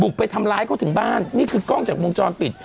ไปทำร้ายเขาถึงบ้านนี่คือกล้องจากวงจรปิด